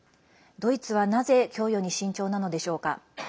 ドイツはなぜ供与に慎重なのでしょうか。